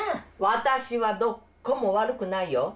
私はどっこも悪くないよ！